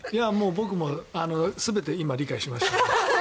僕も全て今、理解しました。